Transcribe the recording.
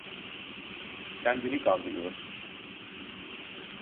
Kendini kandırıyorsun.